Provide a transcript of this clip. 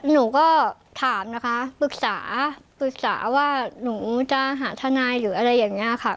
หนูก็ถามนะคะปรึกษาปรึกษาว่าหนูจะหาทนายหรืออะไรอย่างนี้ค่ะ